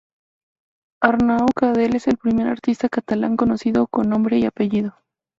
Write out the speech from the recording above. Arnau Cadell es el primer artista catalán conocido con nombre y apellido.